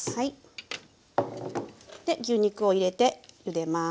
で牛肉を入れてゆでます。